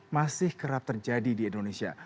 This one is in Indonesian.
masih kerap terjadi di indonesia